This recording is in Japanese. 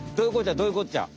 どういうこっちゃ？